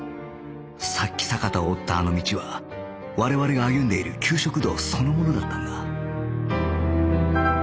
さっき坂田を追ったあの道は我々が歩んでいる給食道そのものだったんだ